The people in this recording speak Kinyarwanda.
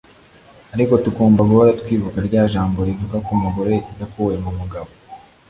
Ariko tugomba guhora twibuka rya jambo rivuga ko umugore yakuwe mu mugabo